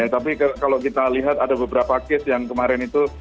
tapi kalau kita lihat ada beberapa case yang kemarin itu